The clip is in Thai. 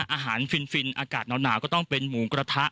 อาหารฟินอากาศหนาวก็ต้องเป็นหมูกระทะ